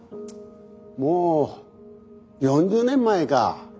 もう４０年前か。